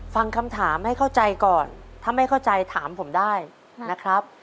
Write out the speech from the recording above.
ฟังคำถามให้เข้าใจก่อนถ้าไม่เข้าใจถามผมได้นะครับ